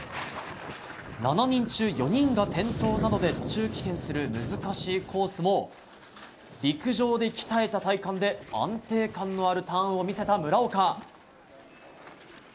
７人中４人が転倒などで途中棄権する難しいコースも陸上で鍛えた体幹で安定感のあるターンを見せた村岡。